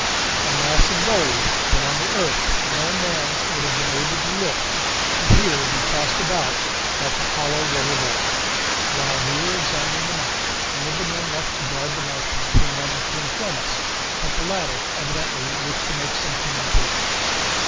A mass of gold that on the earth no man would have been able to lift could here be tossed about like a hollow rubber ball. While we were examining the mine, one of the men left to guard the Martian came running to inform us that the latter evidently wished to make some communication.